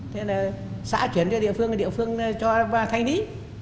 thế là xã chuyển cho địa phương địa phương cho thanh lý